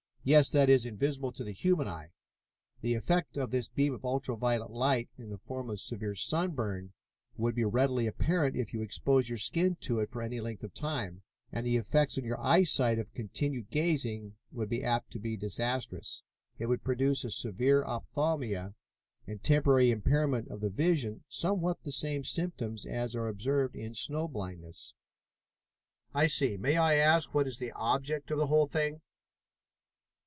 "Yes. That is, invisible to the human eye. The effect of this beam of ultra violet light in the form of severe sunburn would be readily apparent if you exposed your skin to it for any length of time, and the effects on your eyesight of continued gazing would be apt to be disastrous. It would produce a severe opthalmia and temporary impairment of the vision, somewhat the same symptoms as are observed in snow blindness." "I see. May I ask what is the object of the whole thing?"